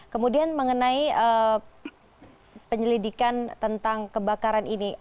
kemudian mengenai penyelidikan tentang kebakaran ini